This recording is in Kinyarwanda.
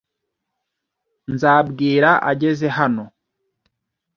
Nzabwira ageze hano.